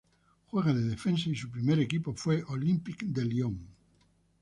Juega de Defensa y su primer equipo fue Olympique Lyon.